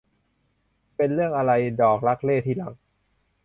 เป็นเรื่องอะไรดอกรักเร่ที่รัก ?